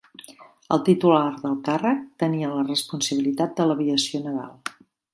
El titular del càrrec tenia la responsabilitat de l'aviació naval.